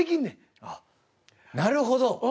あっなるほど！